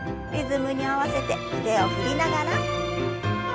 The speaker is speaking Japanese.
リズムに合わせて腕を振りながら。